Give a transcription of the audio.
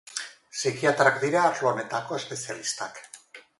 Psikiatrak dira arlo honetako espezialistak.